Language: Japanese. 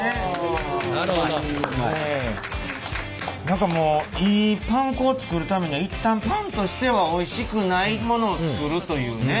何かもういいパン粉を作るためには一旦パンとしてはおいしくないものを作るというね。